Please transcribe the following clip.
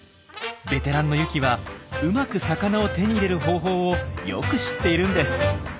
ベテランのユキはうまく魚を手に入れる方法をよく知っているんです。